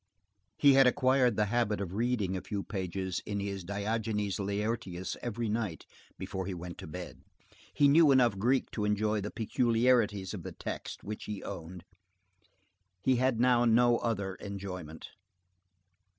He had acquired the habit of reading a few pages in his Diogenes Laertius every night, before he went to bed. He knew enough Greek to enjoy the peculiarities of the text which he owned. He had now no other enjoyment.